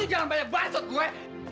ih jangan banyak bansut gue